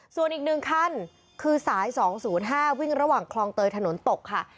ส่วนอีก๑คันคือสาย๒๐๕วิ่งระหว่างคลองเตยถนนตกค่ะ